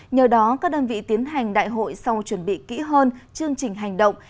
nhờ đó các đơn vị tiến hành đại hội sau chuẩn bị kỹ hơn chương trình hành động